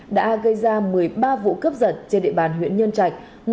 đã gây ra một mươi ba vụ cướp giật trên địa bàn huyện nhân trạch